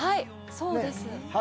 そうです。